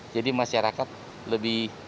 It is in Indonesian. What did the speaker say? jadi masyarakat lebih